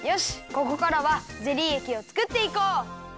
ここからはゼリーえきをつくっていこう。